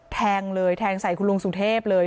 แทงเลยแทงใส่คุณลุงสุเทพเลย